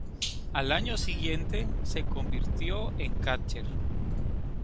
Al año siguiente se convirtió en catcher.